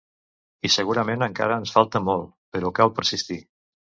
I segurament encara ens falta molt… Però cal persistir.